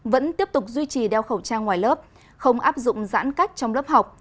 vẫn tiếp tục duy trì đeo khẩu trang ngoài lớp không áp dụng giãn cách trong lớp học